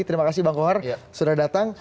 terima kasih bang kohar sudah datang